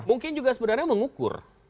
mungkin juga sebenarnya mengukur